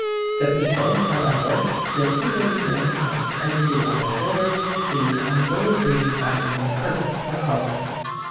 "The people, however, still continued near the house, and two hours later he was seen on the bowling green by one, Curtis, a collier.